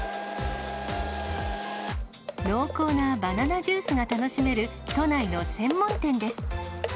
濃厚なバナナジュースが楽しめる都内の専門店です。